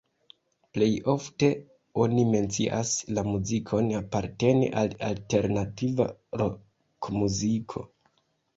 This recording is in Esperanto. Plej ofte oni mencias la muzikon aparteni al alternativa rokmuziko.